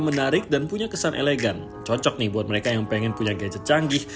menarik dan punya kesan elegan cocok nih buat mereka yang pengen punya gadget canggih